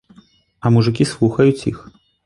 А мужыкі слухаюць іх.